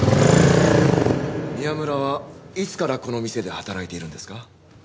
宮村はいつからこの店で働いているんですか？